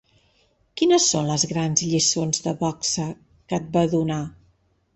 Quines són les grans lliçons de boxa que et va donar ?